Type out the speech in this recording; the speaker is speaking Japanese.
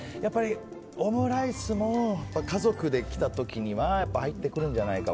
オムライスも家族で来た時には入ってくるんじゃないかと。